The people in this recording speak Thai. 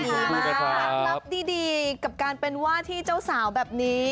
ลับดีกับการเป็นว่าที่เจ้าสาวแบบนี้